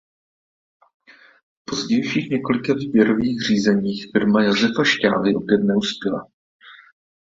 V pozdějších několika výběrových řízeních firma Josefa Šťávy opět neuspěla.